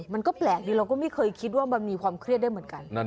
มันก็แปลกดีเราก็ไม่เคยคิดว่ามันมีความเครียดได้เหมือนกัน